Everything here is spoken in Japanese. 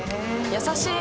優しい！